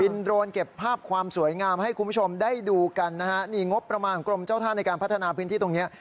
โดรนเก็บภาพความสวยงามให้คุณผู้ชมได้ดูกันนะฮะนี่งบประมาณของกรมเจ้าท่าในการพัฒนาพื้นที่ตรงเนี้ย